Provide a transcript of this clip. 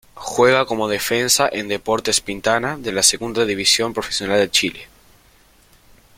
Juega como defensa en Deportes Pintana de la Segunda División Profesional de Chile.